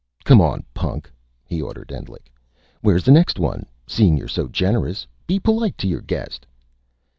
"Come on, punk!" he ordered Endlich. "Where is the next one, seeing you're so generous? Be polite to your guest!"